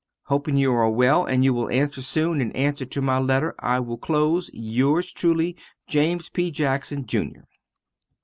Hoping you are well and you will answer soon in answer to my leter I will close. Yours truly, James P. Jackson Jr.